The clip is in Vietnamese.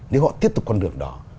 nếu họ tiếp tục con đường đó